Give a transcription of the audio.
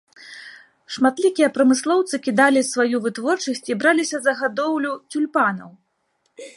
Шматлікія прамыслоўцы кідалі сваю вытворчасць і браліся за гадоўлю цюльпанаў.